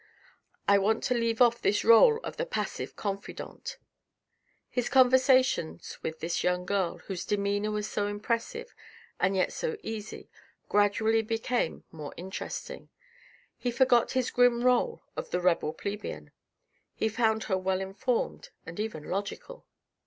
I want to leave off this role of the passive .confidante." His conversations with this young girl, whose demeanour was so impressive and yet so easy, gradually became more interesting. He forgot his grim role of the rebel plebian. He found her well informed and even logical.